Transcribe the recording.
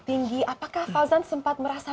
tinggi apakah fauzan sempat merasa